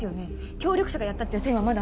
協力者がやったっていう線はまだ。